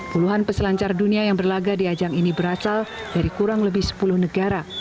puluhan peselancar dunia yang berlaga di ajang ini berasal dari kurang lebih sepuluh negara